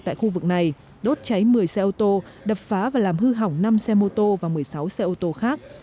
tại khu vực này đốt cháy một mươi xe ô tô đập phá và làm hư hỏng năm xe mô tô và một mươi sáu xe ô tô khác